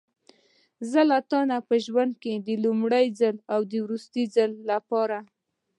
زه له تا نه په ژوند کې د لومړي او وروستي ځل لپاره.